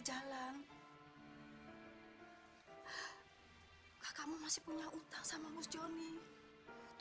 sampai jumpa di video selanjutnya